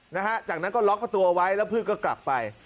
นะฮะจากนั้นก็ล็อกประตูเอาไว้แล้วเพื่อนก็กลับไป